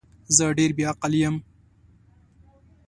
زه ډیر بی عقل یم